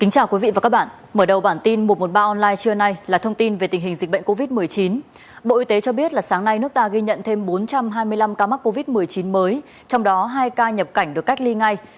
cảm ơn các bạn đã theo dõi